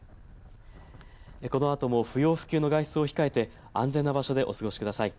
このあとも不要不急の外出を控えて安全な場所でお過ごしください。